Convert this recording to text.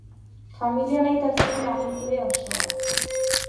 Familian aitak zuen aginpide osoa.